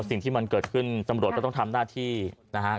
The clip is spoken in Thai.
สิ่งที่มันเกิดขึ้นตำรวจก็ต้องทำหน้าที่นะฮะ